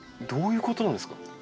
どういうことなんですか？